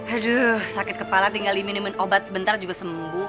aduh sakit kepala tinggal diminum obat sebentar juga sembuh